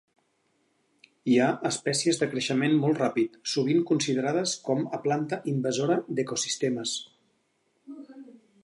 Hi ha espècies de creixement molt ràpid, sovint considerades com a planta invasora d'ecosistemes.